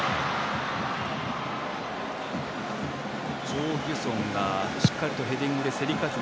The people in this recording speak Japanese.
チョ・ギュソンがしっかりとヘディングで競り勝つ